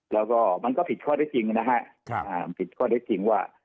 แล้วก็มันก็ผิดข้อได้จริงนะฮะมันผิดข้อได้จริงว่า